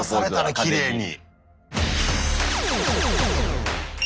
きれいに。